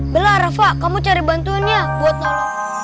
belah rafa kamu cari bantunya botol